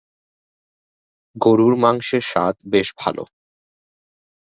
গরুর মাংসের স্বাদ বেশ ভালো।